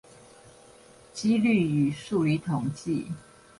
機率與數理統計